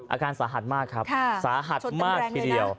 อาการสาหัสมากครับสาหัสมากทีเดียว